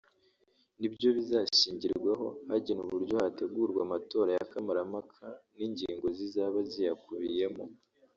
nibyo bizashingirwaho hagenwa uburyo hategurwa amatora ya kamarampaka n’ingingo zizaba ziyakubiyemo